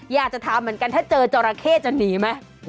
อยากจะถามเหมือนกันถ้าเจอจราเข้จะหนีไหม